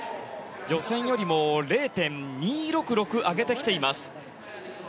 予選よりも０．２６６上げてきています。